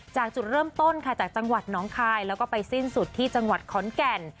จากจุดเริ่มต้นค่ะจากจังหวัดน้องคายแล้วก็ไปสิ้นสุดที่จังหวัดขอนแก่น